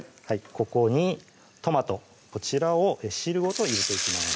ここにトマトこちらを汁ごと入れていきます